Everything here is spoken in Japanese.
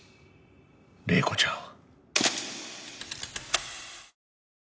麗子ちゃん。